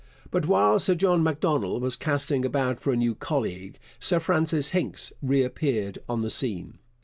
But while Sir John Macdonald was casting about for a new colleague, Sir Francis Hincks reappeared on the scene.